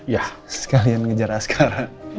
ya sekalian ngejar asghar